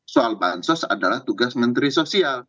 soal bansos adalah tugas menteri sosial